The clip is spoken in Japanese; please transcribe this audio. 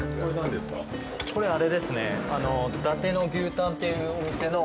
これあれですね。